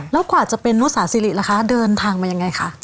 แล้วกว่าจะเป็นนู้นสาซีหลิละคะเดินทางมันยังไงคะ